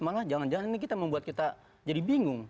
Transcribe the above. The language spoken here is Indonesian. malah jangan jangan ini kita membuat kita jadi bingung